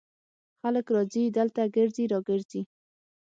خلک راځي دلته ګرځي را ګرځي.